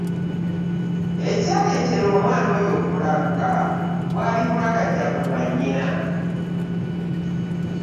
Ekyaleeta omwana oyo okulaluka bwali bulagajjavu bwa nnyina.